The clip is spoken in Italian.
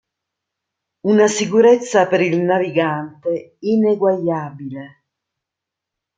Una sicurezza per il navigante ineguagliabile.